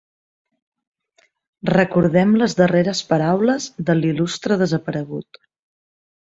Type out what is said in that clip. Recordem les darreres paraules de l'il·lustre desaparegut.